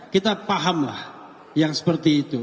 kita pahamlah yang seperti itu